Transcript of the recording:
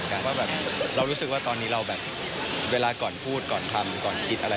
เรารู้สึกคือว่าตอนนี้ว่าเวลาก่อนพูดก่อนทำก่อนคิดอะไร